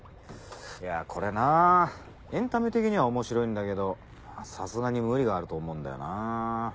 いやこれなエンタメ的には面白いんだけどさすがに無理があると思うんだよなぁ。